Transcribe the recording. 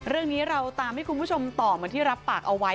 เรื่องนี้เราตามให้คุณผู้ชมต่อเหมือนที่รับปากเอาไว้